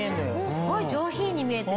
すごい上品に見えて。